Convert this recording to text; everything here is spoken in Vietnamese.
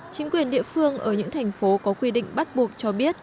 chính quyền địa phương ở những thành phố có quy định bắt buộc cho biết